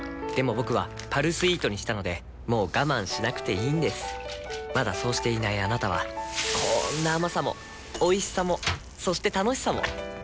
僕は「パルスイート」にしたのでもう我慢しなくていいんですまだそうしていないあなたはこんな甘さもおいしさもそして楽しさもあちっ。